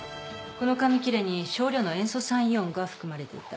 この紙切れに少量の塩素酸イオンが含まれていた。